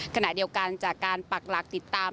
ขณะเดียวกันจากการปักหลักติดตาม